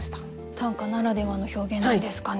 短歌ならではの表現なんですかね。